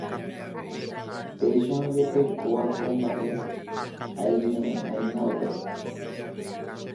péicharõ jepe kóva ko mba'e aime'aína upépe